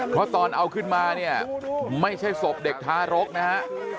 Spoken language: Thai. เพราะตอนเอาขึ้นมาเนี่ยไม่ใช่ศพเด็กทารกนะฮะ